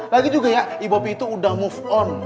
lagi juga ya ibu bopi itu udah move on